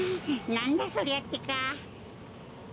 なんだそりゃってか。